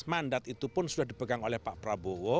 mandat itu pun sudah dipegang oleh pak prabowo